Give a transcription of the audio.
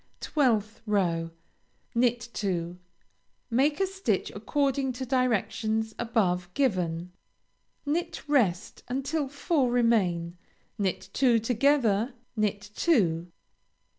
12th row Knit two; make a stitch according to directions above given; knit rest until four remain; knit two together; knit two.